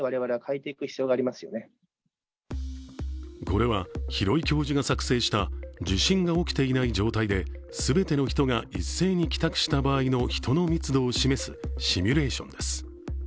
これは廣井教授が作成した地震が起きていない状態で全ての人が一斉に帰宅した場合の人の密度を示すシミュレーションです。